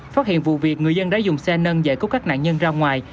phát hiện vụ việc người dân đã dùng xe nâng giải cứu các nạn nhân ra ngoài